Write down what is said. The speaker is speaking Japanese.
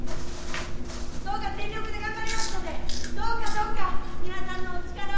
どうか全力で頑張りますのでどうかどうか皆さんのお力を貸してください。